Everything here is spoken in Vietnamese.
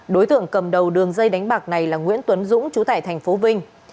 đối tượng cầm đầu đường dây đánh bạc này là nguyễn tuấn dũng trú tại tp vinh